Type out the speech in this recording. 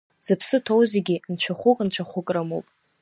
Зыԥсы ҭоу зегьы нцәахәык-нцәахәык рымоуп.